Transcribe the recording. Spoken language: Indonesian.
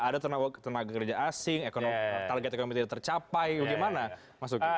ada tenaga kerja asing target ekonomi tidak tercapai bagaimana mas uki